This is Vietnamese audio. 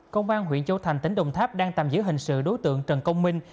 công an huyện châu thành tỉnh đồng tháp đang tạm giữ hình sự đối tượng trần công minh